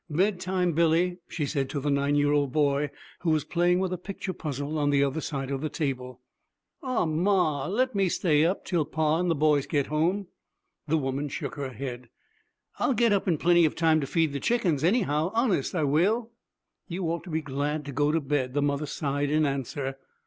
'Bed time, Billy,' she said to the nine year old boy who was playing with a picture puzzle on the other side of the table. 'Aw, ma, let me stay up, till pa and the boys get home.' The woman shook her head. 'I'll get up in plenty of time to feed the chickens, anyhow. Honest, I will.' 'You ought to be glad to go to bed,' the mother sighed in answer.